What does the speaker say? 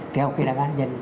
theo cái đặc án nhân